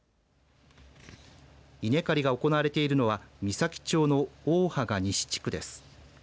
稲刈りが行われているのは美咲町の大垪和西地区です。